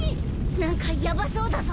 何かヤバそうだぞ。